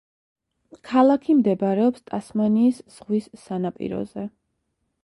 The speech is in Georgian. ქალაქი მდებარეობს ტასმანიის ზღვის სანაპიროზე.